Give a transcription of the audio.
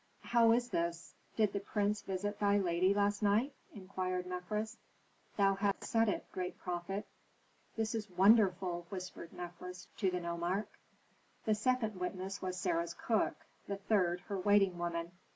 "How is this? Did the prince visit thy lady last night?" inquired Mefres. "Thou hast said it, great prophet." "This is wonderful!" whispered Mefres to the nomarch. The second witness was Sarah's cook, the third her waiting woman.